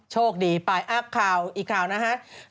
โชคดีอ้าวอีกคราวนะฮะ